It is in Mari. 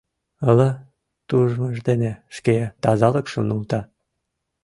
Ала тужмыж дене шке тазалыкшым нулта.